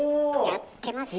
やってますよ。